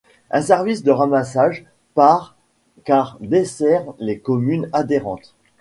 Un service de ramassage par car dessert les communes adhérentes.